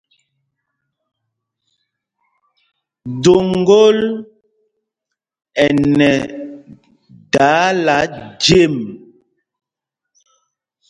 Doŋgǒl ɛ nɛ dáála jem.